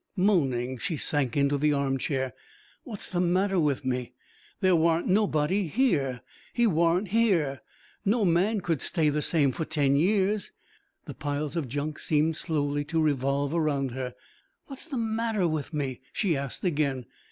Moaning, she sank into the armchair. "What's the matter with me? There warn't nobody here! He warn't here. No man could stay the same for ten years." The piles of junk seemed slowly to revolve around her. "What's the matter with me?" she asked again.